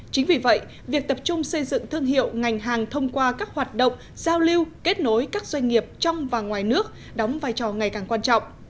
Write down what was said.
chính vì vậy việc tập trung xây dựng thương hiệu ngành hàng thông qua các hoạt động giao lưu kết nối các doanh nghiệp trong và ngoài nước đóng vai trò ngày càng quan trọng